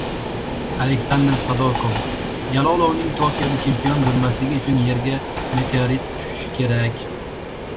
Aleksandr Sadokov "Jalolovning Tokioda chempion bo‘lmasligi uchun yerga meteorit tushishi kerak..."